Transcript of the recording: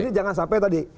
ini jangan sampai tadi